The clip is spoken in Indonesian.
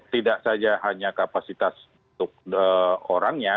tidak saja hanya kapasitas untuk orangnya